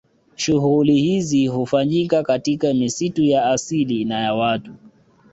Shughuli hizi hufanyika katika misitu ya asili na ya watu